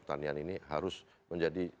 pertanian ini harus menjadi